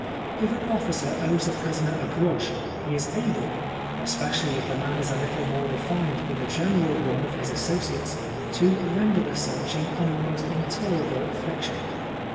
If an officer owes a prisoner a grudge, he is able (especially if the man is a little more refined than the general run of his asso ciates) to render the searching an almost intolerable infliction.